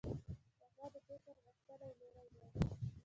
قهوه د فکر غښتلي لوری دی